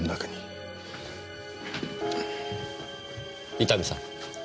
伊丹さん。